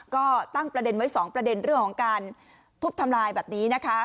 ก็ตั้งประเด็นไว้๒ประเด็นเรื่องของการทุบทำลายแบบนี้นะคะ